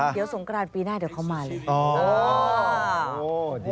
เดี๋ยวสงกรานปีหน้าเดี๋ยวเขามาเลย